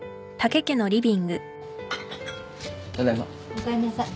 おかえんなさい。